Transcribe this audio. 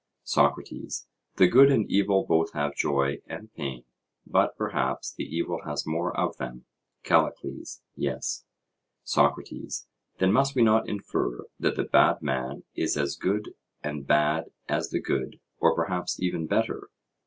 SOCRATES: The good and evil both have joy and pain, but, perhaps, the evil has more of them? CALLICLES: Yes. SOCRATES: Then must we not infer, that the bad man is as good and bad as the good, or, perhaps, even better?